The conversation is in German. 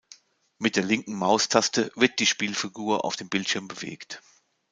Mit der linken Maustaste wird die Spielfigur auf dem Bildschirm bewegt.